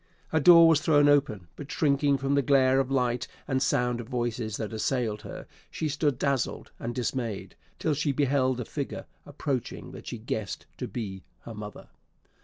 A door was thrown open; but shrinking from the glare of light and sound of voices that assailed her, he stood dazzled and dismayed, till she beheld a figure approaching that she guessed to be her mother.